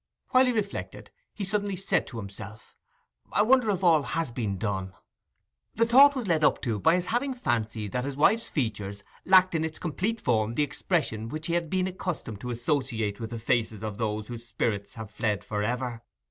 While he reflected, he suddenly said to himself, I wonder if all has been done? The thought was led up to by his having fancied that his wife's features lacked in its complete form the expression which he had been accustomed to associate with the faces of those whose spirits have fled for ever.